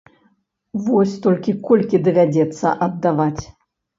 Вось толькі колькі давядзецца аддаваць?